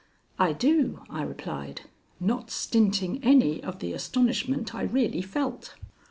"I do," I replied, not stinting any of the astonishment I really felt.